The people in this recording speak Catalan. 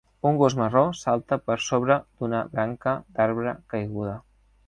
Un gos marró salta per sobre d'una branca d'arbre caiguda.